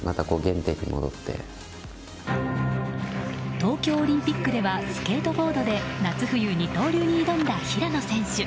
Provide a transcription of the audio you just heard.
東京オリンピックではスケートボードで夏冬二刀流に挑んだ平野選手。